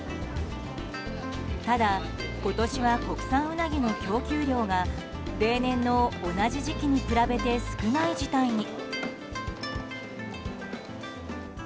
ただ、今年は国産ウナギの供給量が例年の同じ時期に比べて少ない事態に。